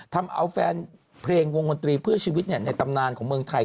ทำเอาแฟนเพลงวงดนตรีเพื่อชีวิตในตำนานของเมืองไทย